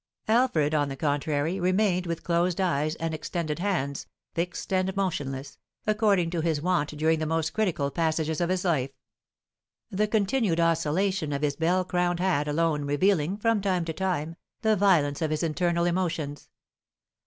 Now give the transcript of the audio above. Alfred, on the contrary, remained with closed eyes and extended hands, fixed and motionless, according to his wont during the most critical passages of his life; the continued oscillation of his bell crowned hat alone revealing, from time to time, the violence of his internal emotions.